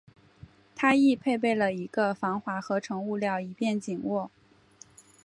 它亦配备了一个防滑合成物料以便紧握。